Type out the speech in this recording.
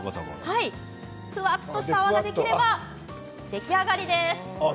フワっとした泡ができれば出来上がりです。